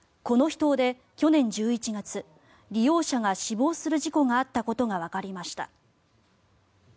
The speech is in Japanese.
この秘湯で去年１１月利用者が死亡する事故があったことがわかりました。